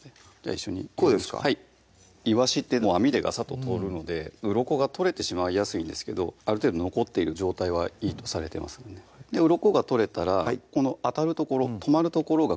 一緒にこうですかいわしって網でガサッと取るのでうろこが取れてしまいやすいんですけどある程度残っている状態はいいとされてますんでうろこが取れたらこの当たる所止まる所が